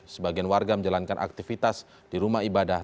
sebagian warga menjalankan aktivitas di rumah ibadah